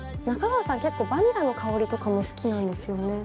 中川さん結構バニラの香りとかも好きなんですよね。